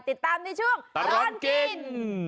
ติดตามในช่วงตลอดกิน